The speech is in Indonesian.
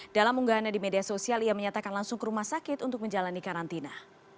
dalam unggahannya di media sosial ia menyatakan langsung ke rumah sakit untuk menjalani karantina